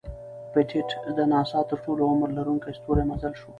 پېټټ د ناسا تر ټولو عمر لرونکی ستور مزلی شو.